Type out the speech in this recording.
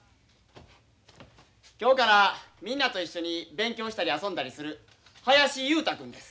今日からみんなと一緒に勉強したり遊んだりする林雄太君です。